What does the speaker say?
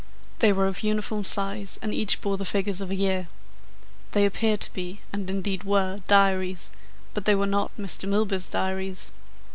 They were of uniform size and each bore the figures of a year. They appeared to be, and indeed were, diaries, but they were not Mr. Milburgh's diaries.